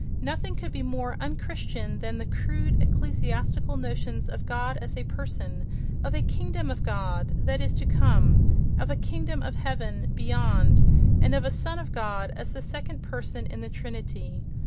Nothing could be more un Christian than the crude ecclesiastical notions of God as a person, of a "kingdom of God" that is to come, of a "kingdom of heaven" beyond, and of a "son of God" as the second person of the Trinity.